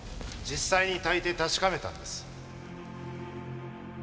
実際にたいて確かめたんです。